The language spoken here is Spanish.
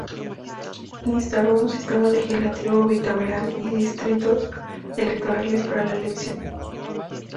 Instauró un sistema legislativo bicameral y distritos electorales para la elección de diputados.